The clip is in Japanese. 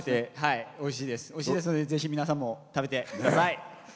おいしいですので皆さんもぜひ食べてください。